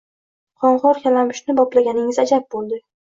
– Qonxo‘r kalamushni boplaganingiz ajab bo‘ldi!